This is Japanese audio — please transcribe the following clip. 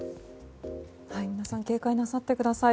皆さん警戒なさってください。